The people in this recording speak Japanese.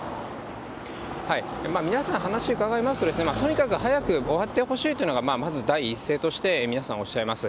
皆さん、話伺いますと、とにかく早く終わってほしいというのがまず第一声として皆さん、おっしゃいます。